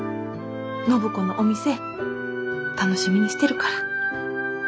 暢子のお店楽しみにしてるから。